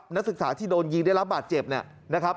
นักศึกษาที่โดนยิงได้รับบาดเจ็บเนี่ยนะครับ